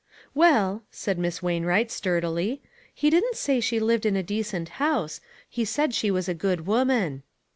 " Well," said Miss Wainwright, sturdily, "he didn't say she lived in a decent house; he said she was a good woman."